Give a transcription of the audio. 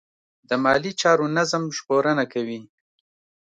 د مالي چارو نظم ژغورنه کوي.